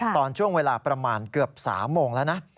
ตอนช่วงเวลาประมาณเกือบ๓โมงแล้วนะ